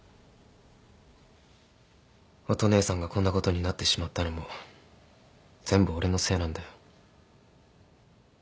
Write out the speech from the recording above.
乙姉さんがこんなことになってしまったのも全部俺のせいなんだよ。